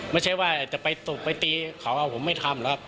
ไม่ใช่ว่าจะไปตบไปตีเขาผมไม่ทำหรอกครับ